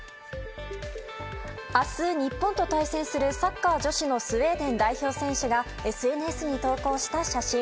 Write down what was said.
明日、日本と対戦するサッカー女子スウェーデン代表選手がＳＮＳに投稿した写真。